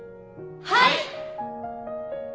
はい！